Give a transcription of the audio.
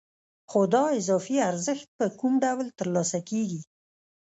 خو دا اضافي ارزښت په کوم ډول ترلاسه کېږي